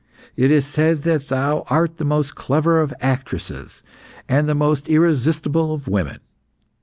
It is said that thou art the most clever of actresses and the most irresistible of women.